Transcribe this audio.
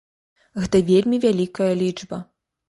Гэта вельмі вялікая лічба.